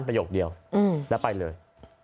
แล้วไปเลย